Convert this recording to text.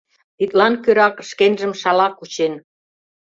Тидлан кӧрак шкенжым шала кучен.